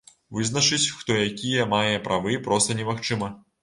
Вызначыць, хто якія мае правы, проста немагчыма.